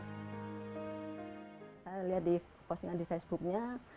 saya lihat di postingan di facebooknya